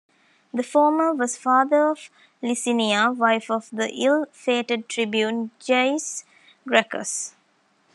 The former was father of Licinia, wife of the ill-fated tribune Gaius Gracchus.